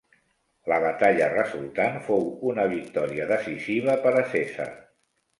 La batalla resultant fou una victòria decisiva per a Cèsar.